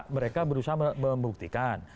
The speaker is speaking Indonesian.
mereka berusaha membuktikan